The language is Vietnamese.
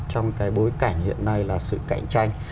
trong cái bối cảnh hiện nay là sự cạnh tranh